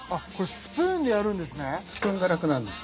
スプーンでやるんですね。